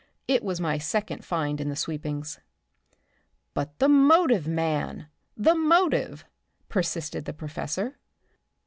It was my second find in the sweepings. "But the motive, man, the motive!" persisted the professor.